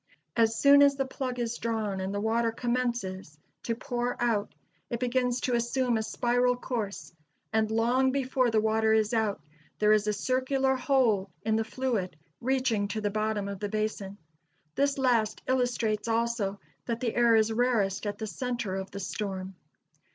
As soon as the plug is drawn and the water commences to [Illustration: RUINED TOBACCO WAREHOUSES.] pour out, it begins to assume a spiral course; and, long before the water is out, there is a circular hole in the fluid, reaching to the bottom of the basin. This last illustrates also that the air is rarest at the center of the storm.